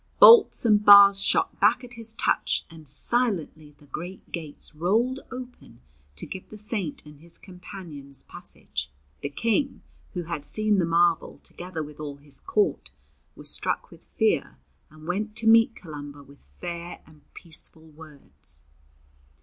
Bolts and bars shot back at his touch, and silently the great gates rolled open to give the Saint and his companions passage. The King, who had seen the marvel together with all his Court, was struck with fear, and went to meet Columba with fair and peaceful words.